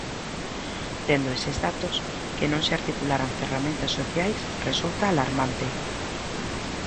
Tendo eses datos, que non se articularan ferramentas sociais resulta alarmante.